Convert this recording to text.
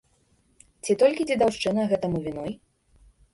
Ці толькі дзедаўшчына гэтаму віной?